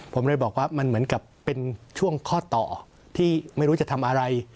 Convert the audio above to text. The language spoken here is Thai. ผมเลยบอกว่ามันเหมือนกับเป็นช่วงข้อต่อที่ไม่รู้จะทำอะไร